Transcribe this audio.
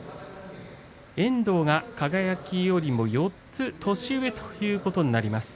遠藤は輝よりも４つ年上ということになります。